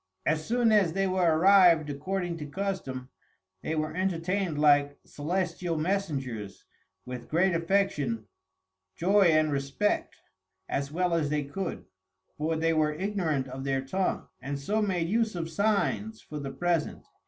As soon as they were arriv'd according to custom, they were entertain'd like Coelestial Messengers, with great Affection, Joy and Respect, as well as they could, for they were ignorant of their Tongue, and so made use of signs, for the present.